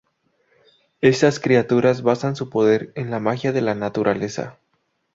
Estas criaturas basan su poder en la magia de la naturaleza.